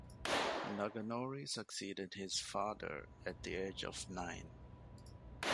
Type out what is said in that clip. Naganori succeeded his father at the age of nine.